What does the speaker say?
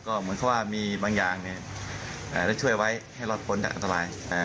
ก็มายก๊อบมีบางอย่างช่วยไว้ให้รอดโปรดอาการตราย